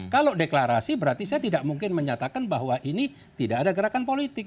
kalau deklarasi berarti saya tidak mungkin menyatakan bahwa ini tidak ada gerakan politik